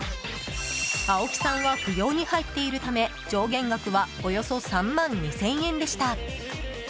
青木さんは扶養に入っているため上限額はおよそ３万２０００円でした。